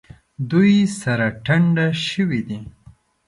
دوی سره ټنډه شوي دي.